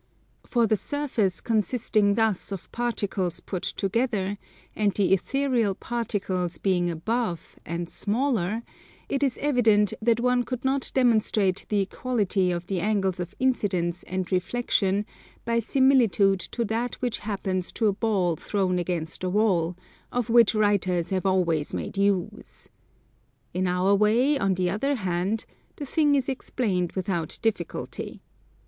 For the surface consisting thus of particles put together, and the ethereal particles being above, and smaller, it is evident that one could not demonstrate the equality of the angles of incidence and reflexion by similitude to that which happens to a ball thrown against a wall, of which writers have always made use. In our way, on the other hand, the thing is explained without difficulty.